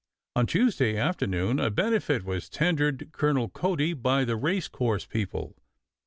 On Tuesday afternoon a benefit was tendered Colonel Cody by the race course people.